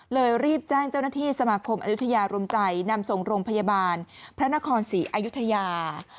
รีบแจ้งเจ้าหน้าที่สมาคมอายุทยารุมใจนำส่งโรงพยาบาลพระนครศรีอายุทยา